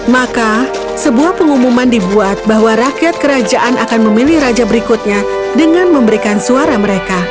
maka sebuah pengumuman dibuat bahwa rakyat kerajaan itu tidak bisa dipercaya dengan kebenaran